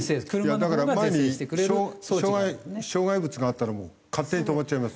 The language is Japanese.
いやだから前に障害障害物があったら勝手に止まっちゃいます